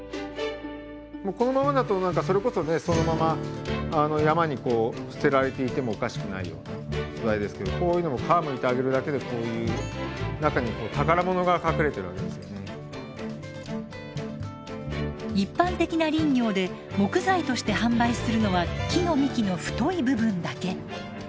もうこのままだと何かそれこそねそのまま山に捨てられていてもおかしくないような素材ですけどこういうのも一般的な林業で木材として販売するのは木の幹の太い部分だけ。